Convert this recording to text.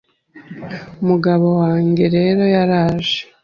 Umugabo wange rero yaraje